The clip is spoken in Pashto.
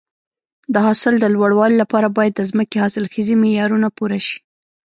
د حاصل د لوړوالي لپاره باید د ځمکې حاصلخیزي معیارونه پوره شي.